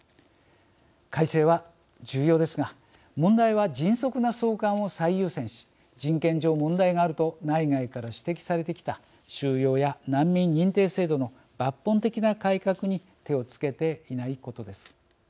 改正は重要ですが問題は迅速な送還を最優先し人権上問題があると内外から指摘されてきた収容や難民認定制度の抜本的な改革に手をつけていないことです。